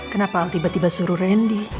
kenapa tiba tiba suruh randy